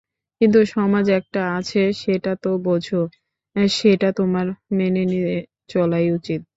কিন্তু সমাজ একটা আছে– সেটা তো বোঝ, সেটা তোমার মেনে চলাই উচিত।